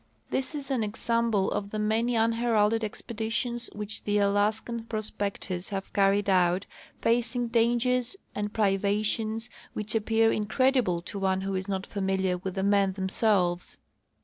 This is an example of the many unheralded exj^editions which the Alaskan prospectors have carried out, facing dangers and privations which appear in credible to one who is not familiar with the men themselves.